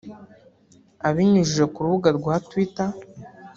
abinyujije ku rubuga rwa Twitter